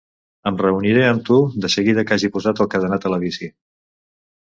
Em reuniré amb tu de seguida que hagi posat el cadenat a la bici.